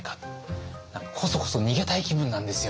何かこそこそ逃げたい気分なんですよね。